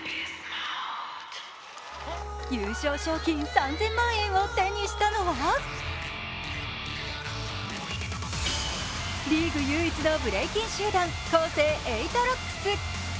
優勝賞金３０００万円を手にしたのはリーグ唯一のブレイキン集団ＫＯＳＥ８ＲＯＣＫＳ。